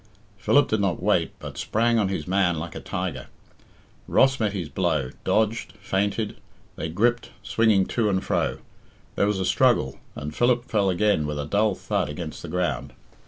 Philip did not wait, but sprang on his man like a tiger. Ross met his blow, dodged, feinted; they gripped, swinging to and fro; there was a struggle, and Philip fell again with a dull thud against the ground.